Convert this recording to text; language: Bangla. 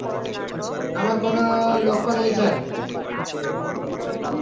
আমার কোন লক্ষ্য নেই, স্যার।